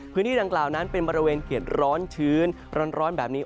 พื้นที่ดังกล่าวนั้นเป็นบริเวณเกียรร้อนชื้นร้อนแบบนี้